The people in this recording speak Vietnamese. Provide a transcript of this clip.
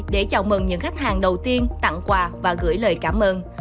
để chào mừng những khách hàng đầu tiên tặng quà và gửi lời cảm ơn